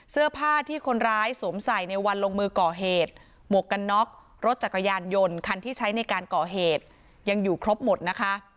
เสื้อผ้าที่คนร้ายสวมใส่ในวันลงมือก่อเหตุหมวกกันน็อกรถจักรยานยนต์คันที่ใช้ในการก่อเหตุยังอยู่ครบหมดนะคะ